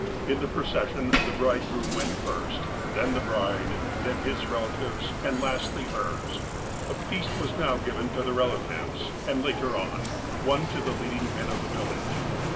In the procession the bridegroom went first, then the bride, then his relatives, and, lastly, hers. A feast was now given to the relatives, and, later on, one to the leading men of the village.